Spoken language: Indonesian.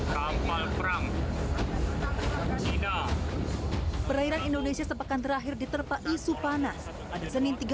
kampal perang china perairan indonesia sepakan terakhir diterpaki supana pada senin tiga belas